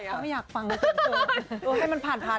เขาไม่อยากฟังเลยรู้ไม่มันผ่าน